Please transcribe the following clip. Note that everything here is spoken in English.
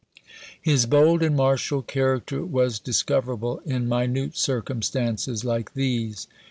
His bold and martial character was discoverable in minute circumstances like these.